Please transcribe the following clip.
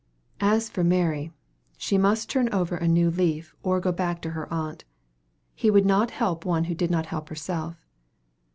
As for Mary, she must turn over a new leaf, or go back to her aunt. He would not help one who did not help herself.